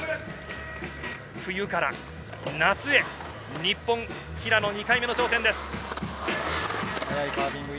冬から夏へ、日本、平野、２回目の挑戦です。